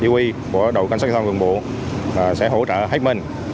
u i của đội cảnh sát giao thông vườn bộ sẽ hỗ trợ hết mênh